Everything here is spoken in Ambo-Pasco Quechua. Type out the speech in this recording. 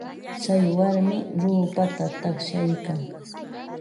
Tsay warmi ruupata taqshaykan.